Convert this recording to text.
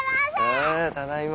ただいま。